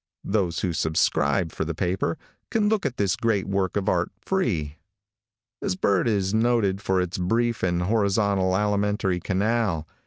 Those who subscribe for the paper, can look at this great work of art free. This bird is noted for its brief and horizontal alimentary canal.